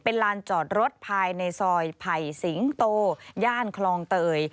เป็นลานจอดรถภายในซอยไผ่สิงโตย่านคลองเตย